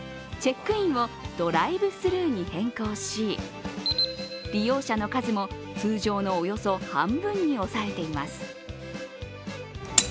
チェックインをドライブスルーに変更し、利用者の数も通常のおよそ半分に抑えています。